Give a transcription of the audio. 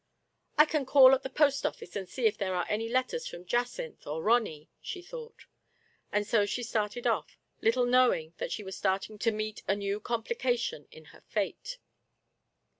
" I can call at the post office, and see if there are any letters from Jacynth or Ronny, she thought ; and so she started off, little knowing that she was starting to meet a new complication^ in her fate.